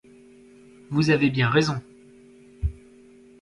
Vous avez bien raison.